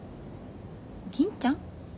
銀ちゃん？